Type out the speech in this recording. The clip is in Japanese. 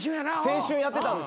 青春やってたんですよ。